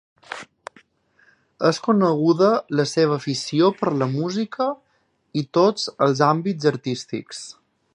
És coneguda la seva afició per la música i tots els àmbits artístics.